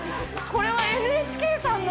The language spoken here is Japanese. これはＮＨＫさんの？